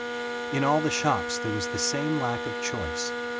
In all the shops there was the same lack of choice.